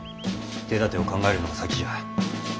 手だてを考えるのが先じゃ。